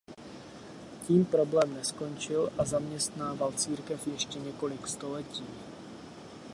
Tím problém neskončil a zaměstnával církev ještě několik století.